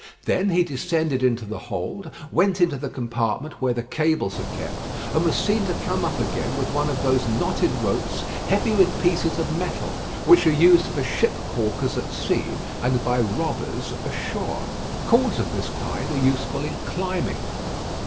Then he descended into the hold, went into the compartment where the cables are kept, and was seen to come up again with one of those knotted ropes heavy with pieces of metal, which are used for ship caulkers at sea and by robbers ashore. Cords of this kind are useful in climbing.